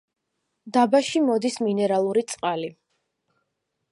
დაბაში მოდის მინერალური წყალი.